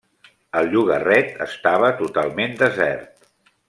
El llogarret estava totalment desert.